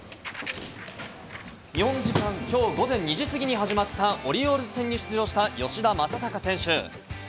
日本時間きょう午前２時過ぎに始まったオリオールズ戦に出場した吉田正尚選手。